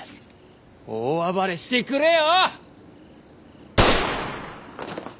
大暴れしてくれよ！